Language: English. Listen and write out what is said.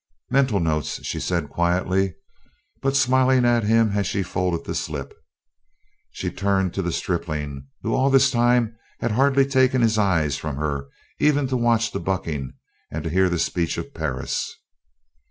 "Mental notes," she said quietly, but smiling at him as she folded the slip. She turned to the stripling, who all this time had hardly taken his eyes from her even to watch the bucking and to hear the speech of Perris.